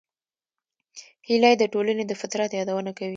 هیلۍ د ټولنې د فطرت یادونه کوي